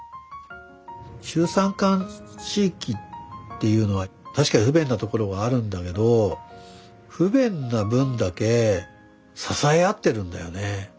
中山間地域っていうのは確かに不便なところはあるんだけど不便な分だけ支え合ってるんだよね。